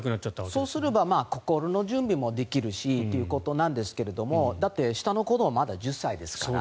そうすれば心の準備もできるしということなんですけどもだって下の子どもはまだ１０歳ですから。